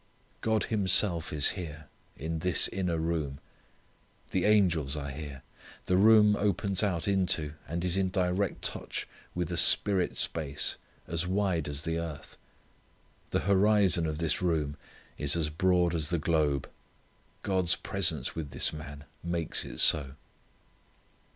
God Himself is here, in this inner room. The angels are here. This room opens out into and is in direct touch with a spirit space as wide as the earth. The horizon of this room is as broad as the globe. God's presence with this man makes it so.